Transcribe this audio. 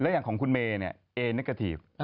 แล้วอย่างของคุณเมย์เนกทีฟ